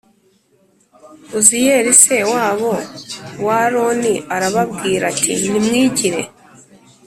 Uziyeli se wabo wa aroni arababwira ati nimwigire